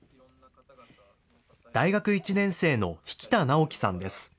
大学１年生の引田尚希さんです。